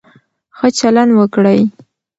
ښه چلند وکړئ.